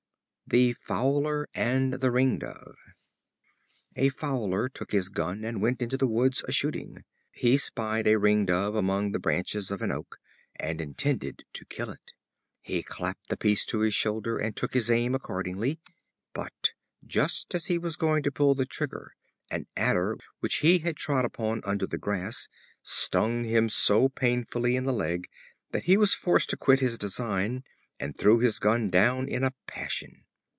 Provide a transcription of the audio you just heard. The Fowler and the Ringdove. A Fowler took his gun, and went into the woods a shooting. He spied a Ringdove among the branches of an oak, and intended to kill it. He clapped the piece to his shoulder, and took his aim accordingly. But, just as he was going to pull the trigger, an adder, which he had trod upon under the grass, stung him so painfully in the leg that he was forced to quit his design, and threw his gun down in a passion.